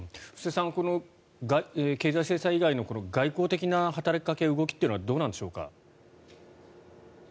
布施さん、経済制裁以外の外交的な働きかけ、動きというのはどうなんでしょうか？